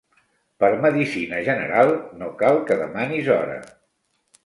Per medicina general no cal que demanis hora.